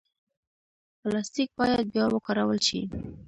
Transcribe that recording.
پلاستيک باید بیا وکارول شي.